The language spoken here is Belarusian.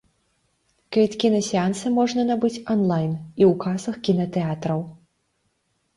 Квіткі на сеансы можна набыць анлайн і ў касах кінатэатраў.